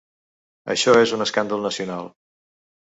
Això és un escàndol nacional.